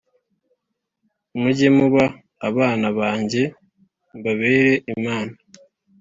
mujye muba abana nanjye mbabere Imana